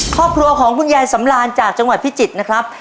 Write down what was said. ครอบครัวของคุณยายสำราญจากจังหวัดพิจิตรนะครับ